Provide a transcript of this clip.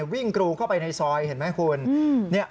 กรูเข้าไปในซอยเห็นไหมคุณ